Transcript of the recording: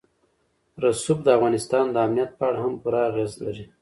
رسوب د افغانستان د امنیت په اړه هم پوره اغېز لري.